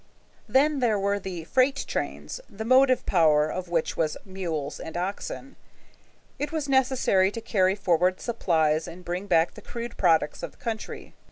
Then there were the freight trains, the motive power of which was mules and oxen. It was necessary to carry forward supplies and bring back the crude products of the country.